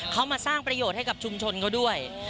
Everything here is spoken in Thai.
เขามาสร้างประโยชน์ให้กับชุมชนเขาด้วย